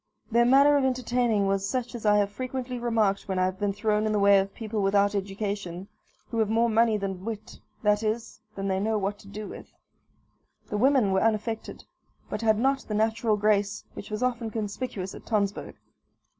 Their manner of entertaining was such as I have frequently remarked when I have been thrown in the way of people without education, who have more money than wit that is, than they know what to do with. The women were unaffected, but had not the natural grace which was often conspicuous at Tonsberg.